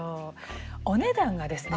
お値段がですね